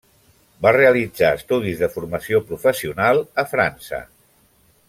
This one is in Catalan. Va realitzar estudis de Formació Professional a França.